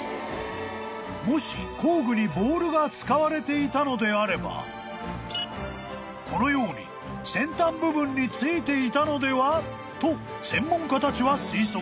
［もし工具にボールが使われていたのであればこのように先端部分に付いていたのでは？と専門家たちは推測］